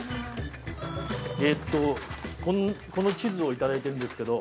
えっとこの地図をいただいてるんですけど。